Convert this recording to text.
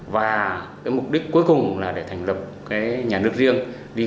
và cái mục đích cuối cùng là để thành lập nhà nước riêng